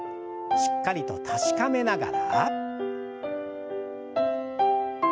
しっかりと確かめながら。